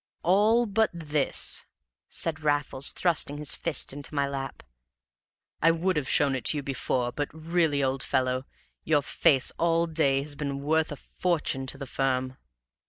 "All but this," said Raffles, thrusting his fist into my lap. "I would have shown it you before, but really, old fellow, your face all day has been worth a fortune to the firm!"